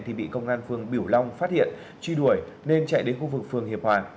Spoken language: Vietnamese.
thì bị công an phường biểu long phát hiện truy đuổi nên chạy đến khu vực phường hiệp hòa